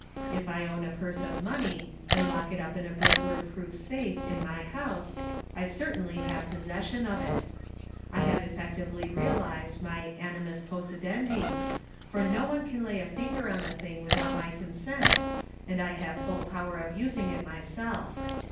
If I own a purse of money, and lock it up in a burglar proof safe in my house, I certainly have possession of it. I have effectively realised mj^ anwms possidendi, for no one can lay a finger on the thing without my consent, and I have full power of using it myself.